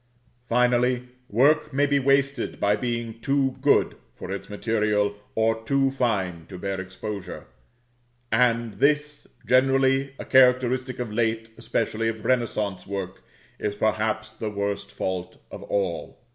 Finally, work may be wasted by being too good for its material, or too fine to bear exposure; and this, generally a characteristic of late, especially of renaissance, work, is perhaps the worst fault of all.